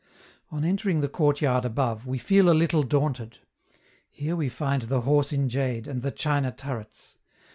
On entering the courtyard above, we feel a little daunted. Here we find the horse in jade, and the china turrets.